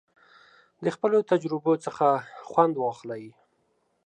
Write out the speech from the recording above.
د خپلو تجربو څخه خوند واخلئ.